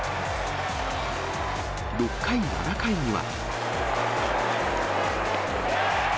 ６回、７回には。